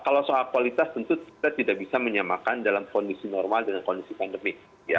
kalau soal kualitas tentu kita tidak bisa menyamakan dalam kondisi normal dengan kondisi pandemi